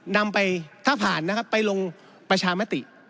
นำไปถ้าผ่านนะครับไปลงประชามติ